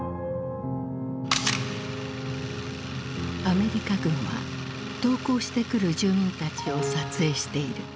アメリカ軍は投降してくる住民たちを撮影している。